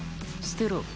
捨てろ。